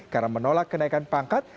karena menolak kenaikan pangkat